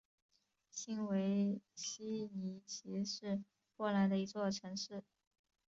新维希尼奇是波兰的一座城市。